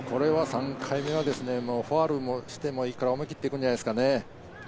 ３回目はファウルしてもいいから思い切っていくんじゃないですかね。